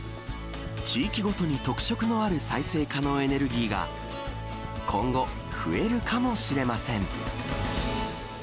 地域ごとに特色のある再生可能エネルギーが今後、増えるかもしれません。